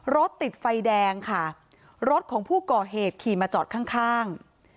รถติดไฟแดงค่ะรถของผู้ก่อเหตุขี่มาจอดข้างข้าง